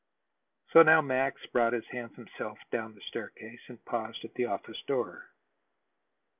So now Max brought his handsome self down the staircase and paused at the office door.